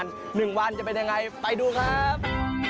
หนึ่งวันจะเป็นยังไงไปดูครับ